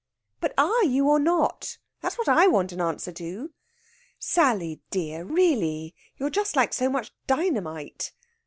"But are you, or not? That's what I want an answer to." "Sally dear! Really you're just like so much dynamite.